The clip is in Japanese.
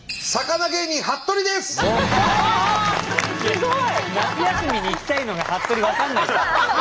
すごい！